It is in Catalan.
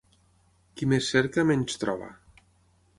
Qui més cerca, menys troba.